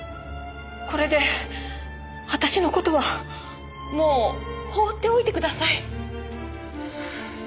これで私の事はもう放っておいてください。